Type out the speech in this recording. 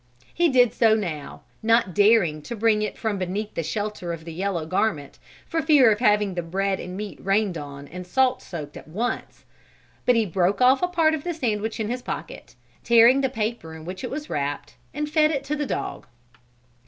He did so now, not daring to bring it from beneath the shelter of the yellow garment, for fear of having the bread and meat rained on and salt soaked at once. But he broke off a part of the sandwich in his pocket, tearing the paper in which it was wrapped, and fed it to the dog.